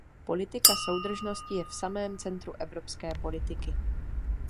Politika soudržnosti je v samém centru evropské politiky.